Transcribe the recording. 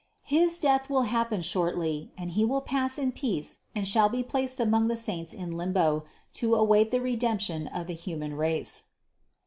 His death will happen shortly and He will pass in peace and shall be placed among the saints in limbo, to await the Redemp tion of the human race."